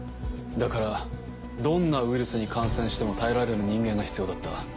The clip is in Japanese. だからどんなウイルスに感染しても耐えられる人間が必要だった。